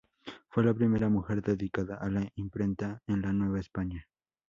Fue la primera mujer dedicada a la imprenta en la Nueva España.